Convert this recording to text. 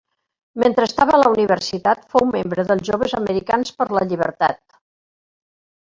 Mentre estava a la universitat, fou membre dels Joves Americans per la Llibertat.